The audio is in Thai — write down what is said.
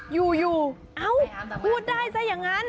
อยู่เอ้าพูดได้ซะอย่างนั้น